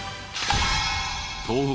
東北